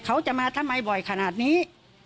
เขาจะมาทำไมบ่อยขนาดนี้